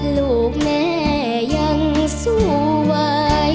ลูกแม่ยังสุขมาก